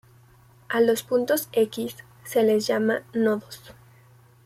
A los puntos x se les llama nodos.